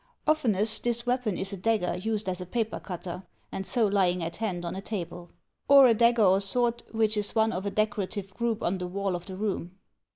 Oftenest this weapon is a dagger used as a paper cutter, and so lying at hand on a table. Or a dagger or sword which is one of a decorative group on the wall of the room.